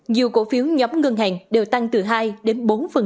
nhiều cổ phiếu nhóm ngân hàng đều tăng từ hai đến bốn